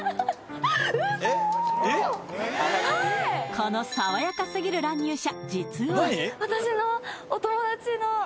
この爽やかすぎる乱入者